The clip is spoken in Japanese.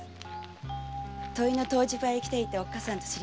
土肥の湯治場へ来ていたおっかさんと知り合って。